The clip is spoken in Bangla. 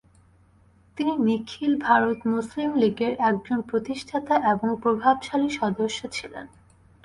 তিনি নিখিল ভারত মুসলিম লীগের একজন প্রতিষ্ঠাতা এবং প্রভাবশালী সদস্য ছিলেন।